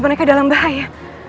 mereka dalam bahaya